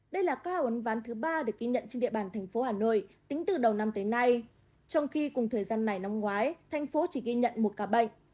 đây là ca ấn ván thứ ba được ghi nhận trên địa bàn thành phố hà nội tính từ đầu năm tới nay trong khi cùng thời gian này năm ngoái thành phố chỉ ghi nhận một ca bệnh